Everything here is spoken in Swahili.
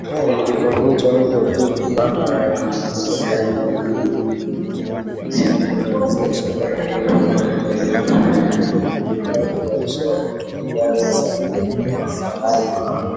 Nilipovunja ungo tu, mama alihitari kuniozesha kwa mume yeyote aliyekuja ilimradi maisha yawe sahali